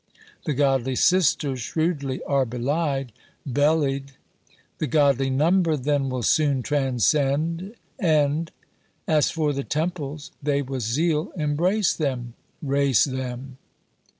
_ The godly sisters shrewdly are belied. Bellied! The godly number then will soon transcend. End! As for the temples, they with zeal embrace them. _Rase them!